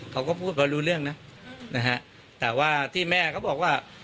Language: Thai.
เขาก็พูดเพราะรู้เรื่องนะนะฮะแต่ว่าที่แม่เขาบอกว่า